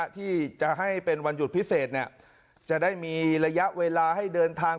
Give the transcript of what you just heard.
ที่จะให้เป็นวันหยุดพิเศษจะได้มีระยะเวลาให้เดินทาง